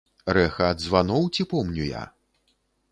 Рэха ад званоў ці помню я?